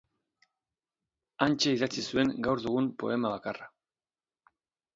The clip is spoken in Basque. Hantxe idatzi zuen gaur dugun poema bakarra.